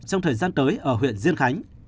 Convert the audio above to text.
trong thời gian tới ở huyện diên khánh